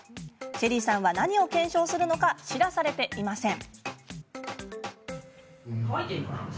チェリーさんは何を検証するのか知らされていません。